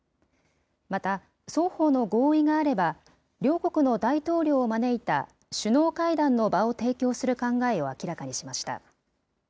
また、双方の合意があれば、両国の大統領を招いた首脳会談の場を提供する考えを明らかにしました。